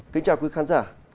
kính chào quý khán giả